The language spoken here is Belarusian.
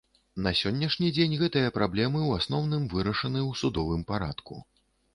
На сённяшні дзень гэтыя праблемы ў асноўным вырашаны ў судовым парадку.